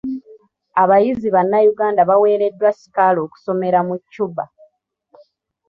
Abayizi bannayuganda baweereddwa sikaala okusomera mu Cuba.